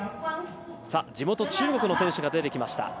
地元・中国の選手が出てきました。